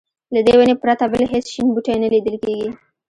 له دې ونې پرته بل هېڅ شین بوټی نه لیدل کېږي.